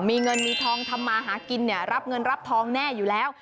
มีเงินมีทองทำมาหากินเนี่ยรับเงินรับทองแน่อยู่แล้ว